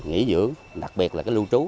nghỉ dưỡng đặc biệt là lưu trú